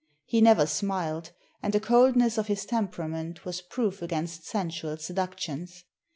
He never smiled, and the coldness of his temperament was proof against sensual seductions.